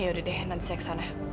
yaudah deh nanti saya kesana